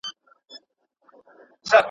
اقتصادي ملاتړ یو شرعي ضرورت دی.